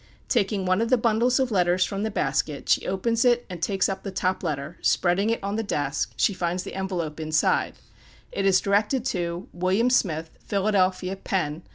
Taking one of the bundles of letters from the basket, she opens it and takes up the top letter; spreading it on the desk, she finds the envelope inside; it is directed to "William Smith, Philadelphia, Penn.